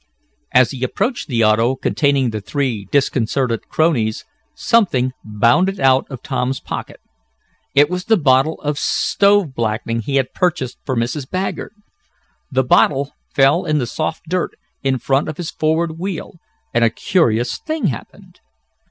As he approached the auto, containing the three disconcerted cronies, something bounded out of Tom's pocket. It was the bottle of stove blacking he had purchased for Mrs. Baggert. The bottle fell in the soft dirt in front of his forward wheel, and a curious thing happened.